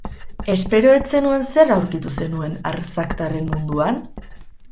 Espero ez zenuen zer aurkitu zenuen arzaktarren munduan?